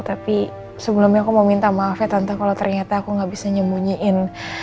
tapi sebelumnya aku mau minta maaf ya tante kalau ternyata aku gak bisa nyembunyiin